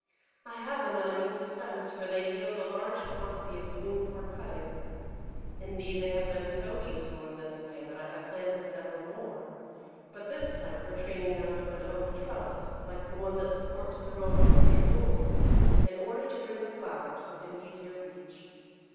I have them on an east fence, where they yield a large quantity of bloom for cutting; indeed, they have been so useful in this way that I have planted several more, but this time for training down to an oak trellis, like the one that supports the row of Bouquet d'Or, in order to bring the flowers within easier reach.